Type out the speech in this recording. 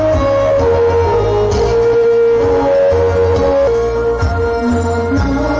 เพลง